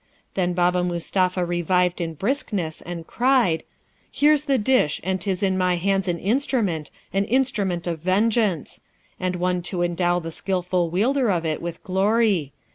Then Baba Mustapha revived in briskness, and cried, 'Here the dish! and 'tis in my hands an instrument, an instrument of vengeance! and one to endow the skilful wielder of it with glory.